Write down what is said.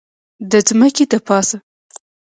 د ځمکې دپاسه